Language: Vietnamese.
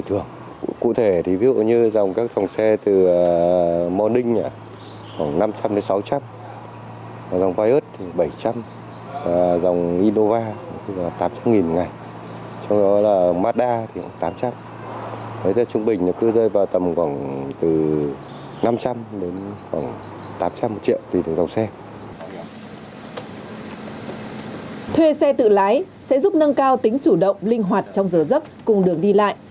thuê xe tự lái sẽ giúp nâng cao tính chủ động linh hoạt trong giờ giấc cùng đường đi lại